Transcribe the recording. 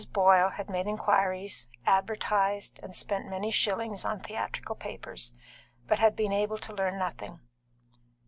Boyle had made inquiries, advertised, and spent many shillings on theatrical papers, but had been able to learn nothing.